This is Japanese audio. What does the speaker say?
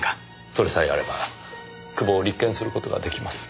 それさえあれば久保を立件する事が出来ます。